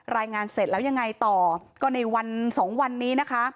รายงานเสร็จแล้วยังไงต่อก็ในวัน๒วันนี้นะคะ